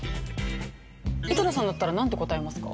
井戸田さんだったらなんて答えますか？